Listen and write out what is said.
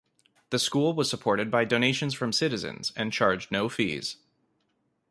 The school was supported by donations from citizens and charged no fees.